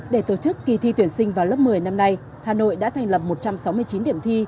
để tổ chức kỳ thi tuyển sinh vào lớp một mươi năm nay hà nội đã thành lập một trăm sáu mươi chín điểm thi